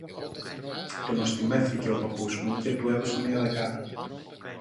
Το νοστιμεύθηκε ο Παππούς μου και του έδωσε μια δεκάρα